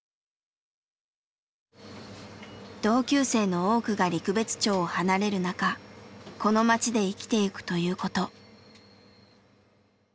同級生の多くが陸別町を離れる中「この町で生きていく」ということ。